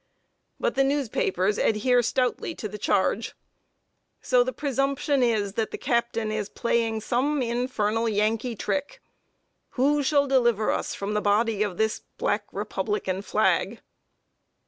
But the newspapers adhere stoutly to the charge; so the presumption is that the captain is playing some infernal Yankee trick. Who shall deliver us from the body of this Black Republican flag?